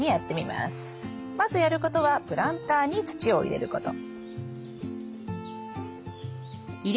まずやることはプランターに土を入れること。